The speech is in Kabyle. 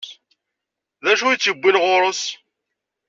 D acu i tt-iwwin ɣur-s?